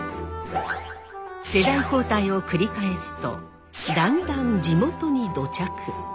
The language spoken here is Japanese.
世代交代を繰り返すとだんだん地元に土着。